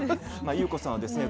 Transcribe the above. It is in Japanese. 優子さんはですね